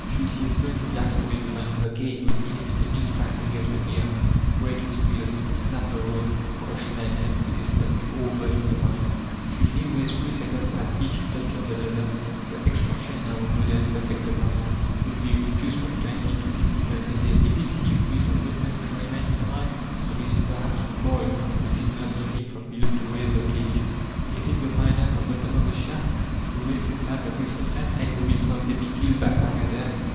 Should his brain relax for a moment, the cage would inevitably strike against the gear, break its wheels, snap the rope, crush men, and put a stop to all work in the mine. Should he waste three seconds at each touch of the lever, the extraction, in our modern, perfected mines, would be reduced from twenty to fifty tons a day. Is it he who is the most necessary man in the mine? Or, is it perhaps the boy who signals to him from below to raise the cage? Is it the miner at the bottom of the shaft, who risks his life every instant, and who will some day be killed by fire damp?